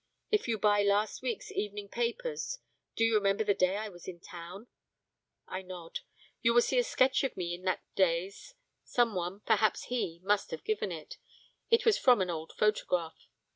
If you buy last week's evening papers do you remember the day I was in town?' I nod 'you will see a sketch of me in that day's; someone, perhaps he, must have given it; it was from an old photograph.